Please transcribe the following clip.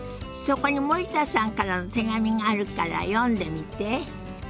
そこに森田さんからの手紙があるから読んでみて。